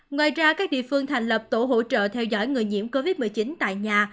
ngoài ra các địa phương thành lập tổ hỗ trợ theo dõi người nhiễm covid một mươi chín tại nhà